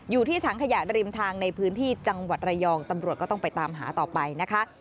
อยู่ที่ถังขยะริมทางในพื้นที่จังหวัดระยองตำรวจก็ต้องไปตามหาต่อไปนะคะ